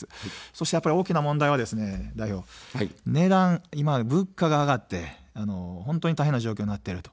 そして大きな問題は代表、値段、物価が上がって、大変な状況になっている。